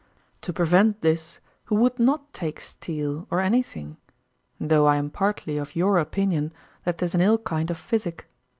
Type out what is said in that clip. To prevent this, who would not take steel or anything, though I am partly of your opinion that 'tis an ill kind of physic.